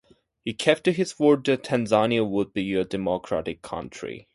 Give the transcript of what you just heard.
He kept to his word that Tanzania would be a democratic country.